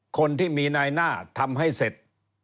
คนที่มีนายหน้าทำให้เสร็จ